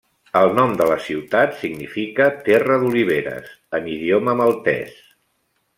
El nom de la ciutat significa 'terra d'oliveres' en idioma maltès.